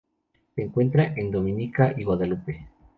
Se encuentra en Dominica y Guadalupe.